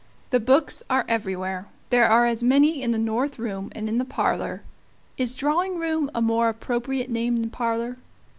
The books are everywhere. There are as many in the north room and in the parlor is drawing room a more appropriate name than parlor?